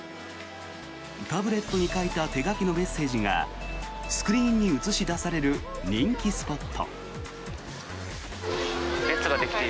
タブレットに書いた手書きのメッセージがスクリーンに映し出される人気スポット。